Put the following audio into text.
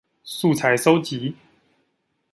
素材蒐集